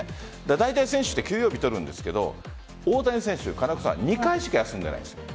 だいたい選手って休養日取るんですけど大谷選手２回しか休んでいないんです。